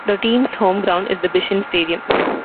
The team's home ground is the Bishan Stadium.